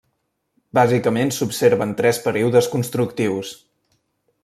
Bàsicament s'observen tres períodes constructius.